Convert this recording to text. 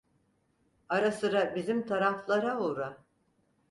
Ara sıra bizim taraflara uğra…